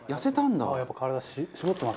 「やっぱ体絞ってますね」